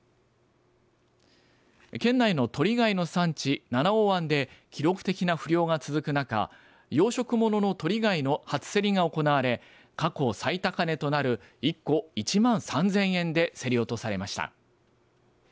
県内のトリガイの産地七尾湾で記録的な不漁が続く中養殖物のトリガイの初競りが行われ過去最高値となる一個１万３０００円で競り落とされました。